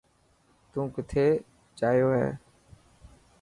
تون ڪٿي جايو هي.